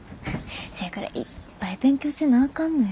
せやからいっぱい勉強せなあかんのよ。